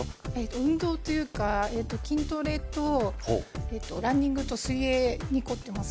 運動というか筋トレとランニングと水泳に凝ってます